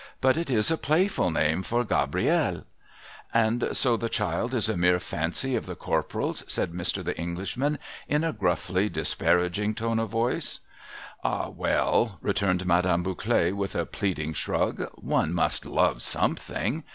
But it is a i)layful name for Gabrielle.' ' And so the child is a mere fancy of the Corporal's ?' said Mr. The Englishman, in a grufily disparaging tone of voice. A FRENCH CEMETERY 299 ' Eh, well !' returned Madame Bouclet, with a pleading shrug :' one must love something.